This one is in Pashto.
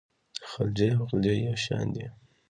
خلجي او غلجي یو شان دي.